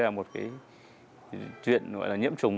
gây ra một cái chuyện gọi là nhiễm trùng